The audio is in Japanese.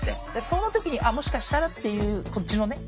その時にあっもしかしたらっていうこっちのね